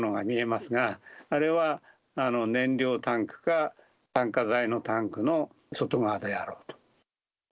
中に丸く球形のものが見えますが、あれは燃料タンクか酸化剤のタンクの外側であろうと。